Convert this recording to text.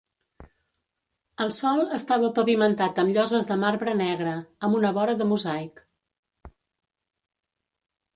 El sòl estava pavimentat amb lloses de marbre negre, amb una vora de mosaic.